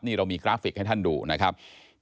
นี่เรามีกราฟิกให้ท่านดูนะครับ